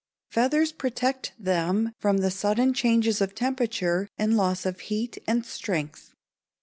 Feathers protect them from the sudden changes of temperature and loss of heat and strength.